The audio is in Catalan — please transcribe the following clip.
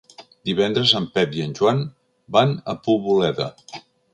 Divendres en Pep i en Joan van a Poboleda.